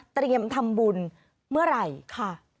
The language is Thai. เตรียมทำบุญเมื่อไหร่ค่ะ